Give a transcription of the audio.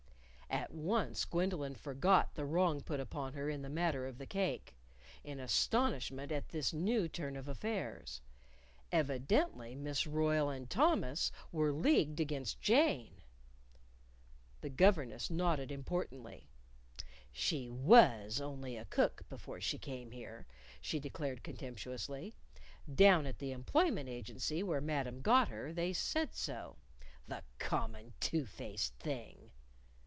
At once Gwendolyn forgot the wrong put upon her in the matter of the cake in astonishment at this new turn of affairs. Evidently Miss Royle and Thomas were leagued against Jane! The governess nodded importantly, "She was only a cook before she came here," she declared contemptuously. "Down at the Employment Agency, where Madam got her, they said so. The common, two faced thing!"